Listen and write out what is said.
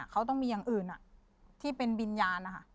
เขาต้องมีอย่างอื่นที่เป็นวิญญาณนะคะ